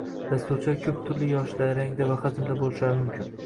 Dasturchilar ko’p turli yoshda, rangda va hajmda bo’lishlari mumkin